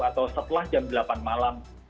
atau setelah jam delapan malam